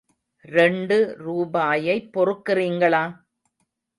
ரெண்டு ரூபாயைப் பொறுக்கிறீங்களா?